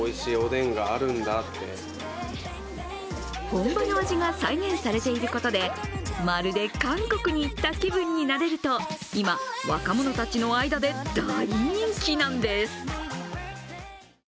本場の味が再現されていることで、まるで韓国に行った気分になれると今、若者たちの間で大人気なんです。